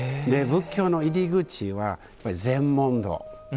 仏教の入り口は禅問答。